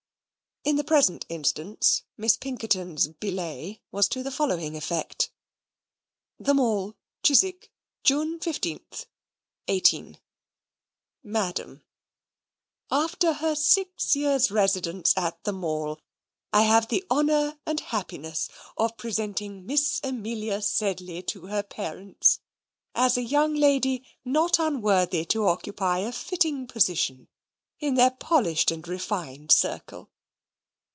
In the present instance Miss Pinkerton's "billet" was to the following effect: The Mall, Chiswick, June 15, 18 MADAM, After her six years' residence at the Mall, I have the honour and happiness of presenting Miss Amelia Sedley to her parents, as a young lady not unworthy to occupy a fitting position in their polished and refined circle.